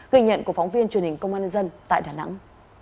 ghi nhận của phóng viên truyền hình công an nhân dân tại đà nẵng